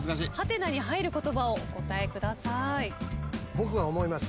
僕は思います